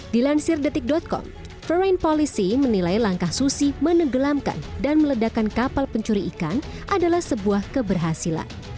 dilansir detik com foreign policy menilai langkah susi menenggelamkan dan meledakan kapal pencuri ikan adalah sebuah keberhasilan